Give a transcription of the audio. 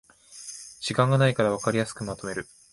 時間がないからわかりやすくまとめる